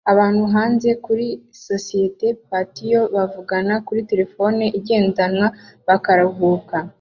Abantu hanze kuri societe patio bavugana kuri terefone igendanwa bakaruhuka